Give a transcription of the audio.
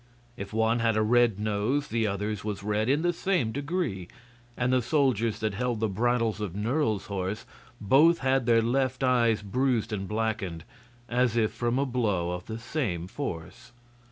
If one had a red nose the other's was red in the same degree, and the soldiers that held the bridles of Nerle's horse both had their left eyes bruised and blackened, as from a blow of the same force.